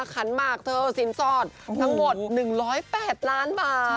ขันหมากเธอสินสอดทั้งหมด๑๐๘ล้านบาท